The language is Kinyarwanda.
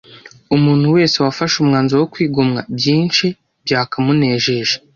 umuntu wese wafashe umwanzuro wo kwigomwa byinshi byakamunejeje